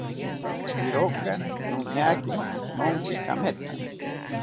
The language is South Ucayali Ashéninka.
Iroka niñokiri noonki kemetha